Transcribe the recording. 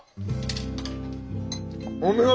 お見事！